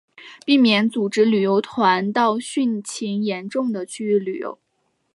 避免组织旅游团到汛情严重的区域旅游